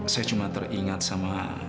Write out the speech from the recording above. saya cuma teringat sama